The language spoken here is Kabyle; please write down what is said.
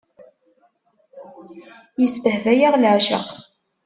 Isbehba-yaɣ leɛceq.